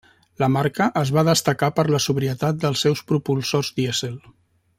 La marca es va destacar per la sobrietat dels seus propulsors dièsel.